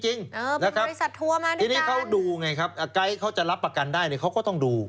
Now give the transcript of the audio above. เป็นบริษัททัวร์มาด้วยกันทีนี้เขาดูไงครับไกด์เขาจะรับประกันได้เนี่ยเขาก็ต้องดู